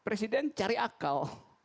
presiden cari akal